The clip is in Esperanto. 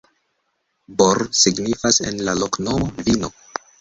Bor signifas en la loknomo: vino.